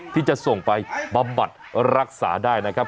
ที่จะส่งไปบำบัดรักษาได้นะครับ